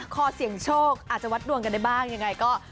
ขอเสี่ยงโชคอาจจะวัดดวงกันได้บ้างยังไงก็